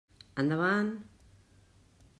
Endavant!